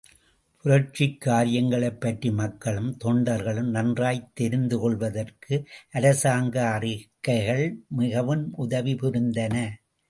புரட்சிக் காரியங்களைப் பற்றி மக்களும் தொண்டர்களும் நன்றாய்த் தெரிந்துகொள்வதற்கு அரசாங்க அறிக்கைகள் மிகவும் உதவி புரிந்தன.